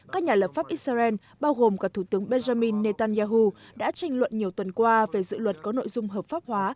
các nhà lập pháp israel bao gồm cả thủ tướng benjamin netanyahu đã tranh luận nhiều tuần qua về dự luật có nội dung hợp pháp hóa